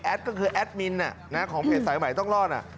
ก็คือแอดมินของเพจสายใหม่ต้องรอด